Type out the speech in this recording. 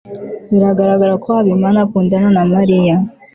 biragaragara ko habimana akundana na mariya